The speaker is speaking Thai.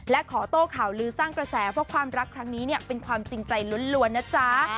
และขอโต้ข่าวลือสร้างกระแสเพราะความรักครั้งนี้เนี่ยเป็นความจริงใจล้วนนะจ๊ะ